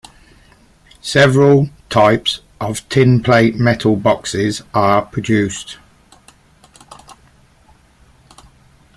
Several types of tinplate metal boxes are produced.